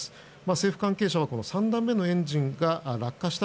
政府関係者は３段目のエンジンが落下した